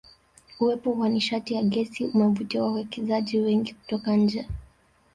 Uwepo wa nishati ya Gesi umewavutia wawekezaji wengi kutoka nje